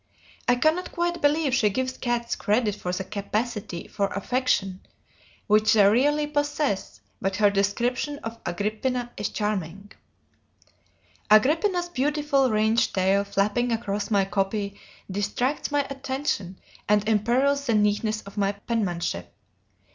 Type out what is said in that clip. I cannot quite believe she gives cats credit for the capacity for affection which they really possess, but her description of "Agrippina" is charming: "Agrippina's beautifully ringed tail flapping across my copy distracts my attention and imperils the neatness of my penmanship.